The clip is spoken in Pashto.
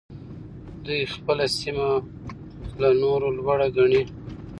دوی خپله سيمه له نورو لوړه ګڼي.